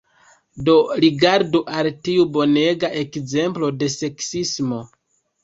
Do, rigardu al tiu bonega ekzemplo de seksismo